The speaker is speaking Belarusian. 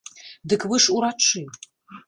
Дык вы ж урачы!